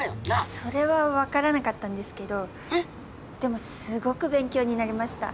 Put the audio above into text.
それはわからなかったんですけどでもすごく勉強になりました。